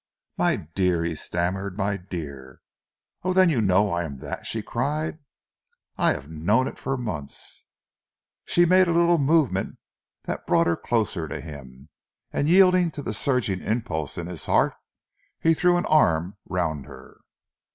"My dear!" he stammered. "My dear " "Oh then you know that I am that?" she cried. "I have known it for months!" She made a little movement that brought her closer to him, and yielding to the surging impulse in his heart, he threw an arm round her.